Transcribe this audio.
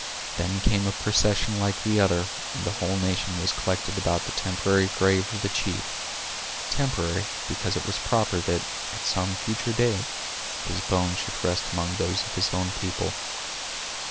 Then came a procession like the other, and the whole nation was collected about the temporary grave of the chief—temporary, because it was proper that, at some future day, his bones should rest among those of his own people.